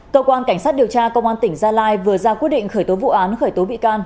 cơ quan cảnh sát điều tra công an tỉnh gia lai vừa ra quyết định khởi tố vụ án khởi tố bị can